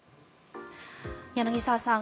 柳澤さん